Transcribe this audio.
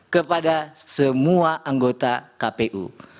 kepada semua anggota kpu